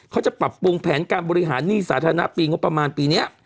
เขาจะปรับปรุงแผนการบริหารหนี้สาธารณะปีงบประมาณปีนี้